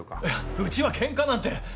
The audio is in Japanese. いやうちはケンカなんて！